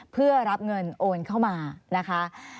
เพื่อรับเงินโอนเข้ามานะคะ